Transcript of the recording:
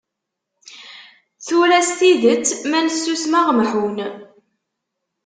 Tura s tidet, ma nessusem ad aɣ-mḥun.